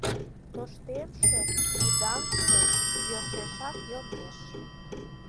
Тоштемше, удаҥше йӧршешак йомеш.